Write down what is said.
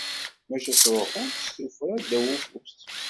Maca ttruḥunt s tuffra, ddaw ufus.